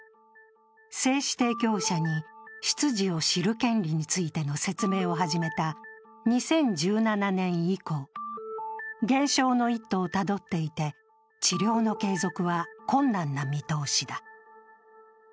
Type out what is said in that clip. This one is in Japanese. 精子提供者に出自を知る権利についての説明を始めた２０１７年以降、減少の一途をたどっていて、治療の継続は困難な見通しだ。